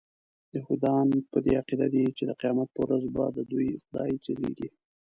یهودان په دې عقیده دي چې د قیامت په ورځ به ددوی خدای ځلیږي.